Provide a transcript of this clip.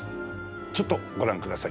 ちょっとご覧ください。